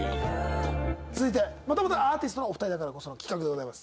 続いてまたまたアーティストのお二人だからこその企画でございます。